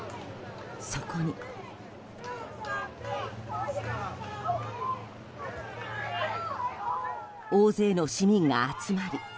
そこに、大勢の市民が集まり。